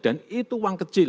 dan itu uang kecil